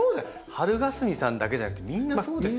はるがすみさんだけじゃなくてみんなそうですよね。